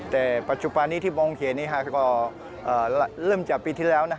แต่ปัจจุบันนี้ที่มองเขียนนี้ก็เริ่มจากปีที่แล้ว